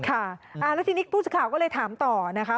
ค่ะแล้วทีนี้ผู้สื่อข่าวก็เลยถามต่อนะคะ